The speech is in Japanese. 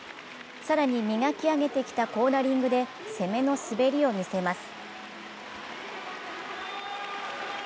更に磨き上げてきたコーナリングで攻めの滑りを見せます。